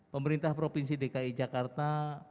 pemerintah provinsi dki jakarta